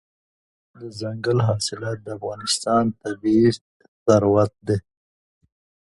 دځنګل حاصلات د افغانستان طبعي ثروت دی.